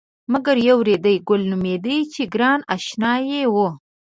مګر یو ریډي ګل نومېده چې ګران اشنای و.